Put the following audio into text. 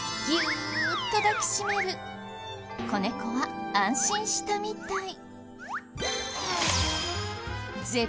子猫は安心したみたい。